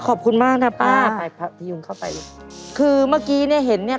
ขอบคุณมากนะครับอ่าไปพี่ยุงเข้าไปคือเมื่อกี้เนี้ยเห็นเนี้ย